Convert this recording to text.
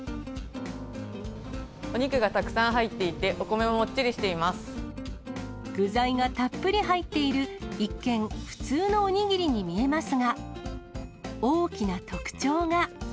お肉がたくさん入っていて、具材がたっぷり入っている、一見、普通のお握りに見えますが、大きな特徴が。